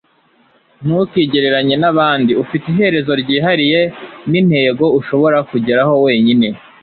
ntukigereranye n'abandi. ufite iherezo ryihariye n'intego ushobora kugeraho wenyine